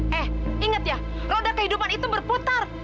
eh inget ya roda kehidupan itu berputar